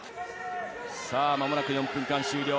間もなく４分間終了。